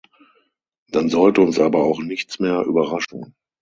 Dann sollte uns aber auch nichts mehr überraschen.